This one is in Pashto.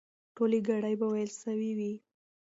ټولې ګړې به وېل سوې وي.